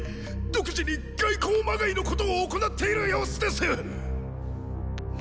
独自に外交まがいのことを行っている様子です！